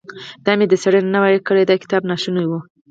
که مې دا څېړنه نه وای کړې دا کتاب ناشونی و.